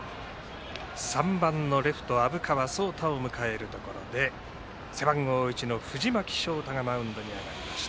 ３番レフトの虻川颯汰を迎えるところで背番号１の藤巻翔汰がマウンドに上がりました。